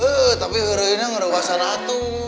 eh tapi hari ini ngerubah sana atuh